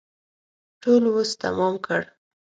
ټول وس تمام کړ.